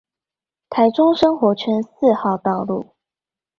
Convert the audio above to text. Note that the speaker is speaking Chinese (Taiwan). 臺中生活圈四號道路